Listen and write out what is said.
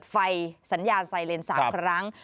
เจ้าหน้าที่เขาจะให้สัญญาณด้วยการเปิดไฟสัญญาณไซเลนส์๓ครั้ง